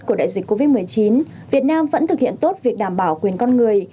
của đại dịch covid một mươi chín việt nam vẫn thực hiện tốt việc đảm bảo quyền con người